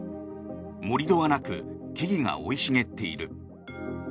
盛り土はなく木々が生い茂っている。